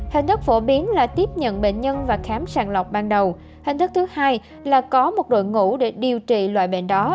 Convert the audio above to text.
hình thức phổ biến là tiếp nhận bệnh nhân và khám sàng lọc ban đầu hình thức thứ hai là có một đội ngũ để điều trị loại bệnh đó